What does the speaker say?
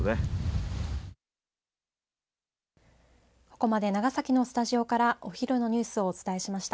ここまで長崎のスタジオからお昼のニュースをお伝えしました。